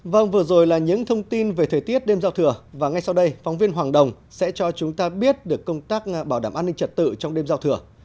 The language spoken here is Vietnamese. vâng vừa rồi là những thông tin về thời tiết đêm giao thừa và ngay sau đây phóng viên hoàng đồng sẽ cho chúng ta biết được công tác bảo đảm an ninh trật tự trong đêm giao thừa